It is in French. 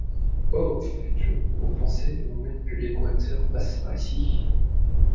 Oh! fit Joe ; vous pensez, mon maître, que l’équateur passe par ici?